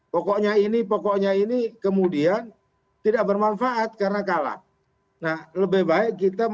pokoknya ini pokoknya ini kemudian tidak bermanfaat karena kalah nah lebih baik kita